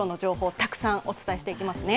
たくさんお伝えしていきますね。